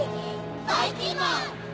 ばいきんまん！